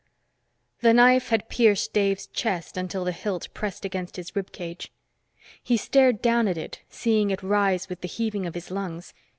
V The knife had pierced Dave's chest until the hilt pressed against his rib cage. He stared down at it, seeing it rise with the heaving of his lungs.